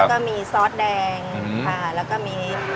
แล้วก็มีซอสแดงค่ะ